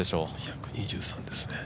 １２３ですね。